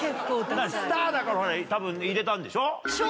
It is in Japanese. スターだから多分入れたんでしょ？